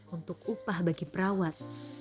untuk upah bagi perawat